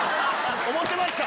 思ってました？